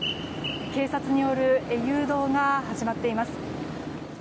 警察による誘導が始まっています。